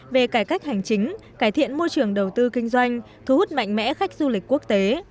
về cải cách hành chính cải thiện môi trường đầu tư kinh doanh thu hút mạnh mẽ khách du lịch quốc tế